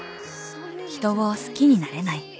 人を好きになれない。